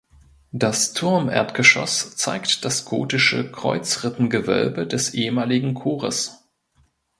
Das Turmerdgeschoss zeigt das gotische Kreuzrippengewölbe des ehemaligen Chores.